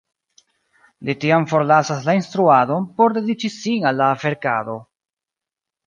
Li tiam forlasas la instruadon por dediĉi sin al la verkado.